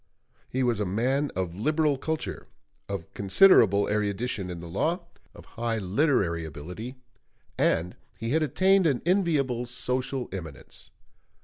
He was a man of liberal culture, of considerable erudition in the law, of high literary ability, and he had attained an enviable social eminence.